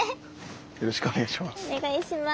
よろしくお願いします。